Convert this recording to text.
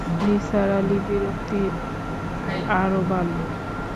নিসার আলির বিরক্তি আরো বাড়ল।